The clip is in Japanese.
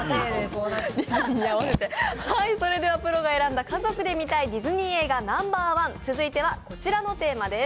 それではプロが選んだ家族で見たいディズニー映画ナンバーワン、続いてはこちらのテーマです。